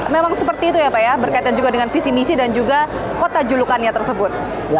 memang seperti itu ya pak ya berkaitan juga dengan visi misi dan juga kota julukannya tersebut